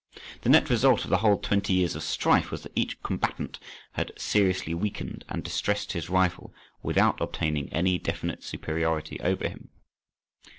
The net result of the whole twenty years of strife was that each combatant had seriously weakened and distressed his rival, without obtaining any definite superiority over him.